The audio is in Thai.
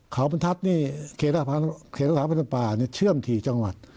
เขาบรรทัศน์เขตศาสตร์พันธุ์ป่าเชื่อมที่จังหวัด